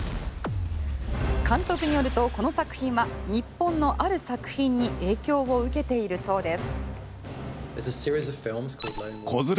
監督によると、この作品は日本のある作品に影響を受けているそうです。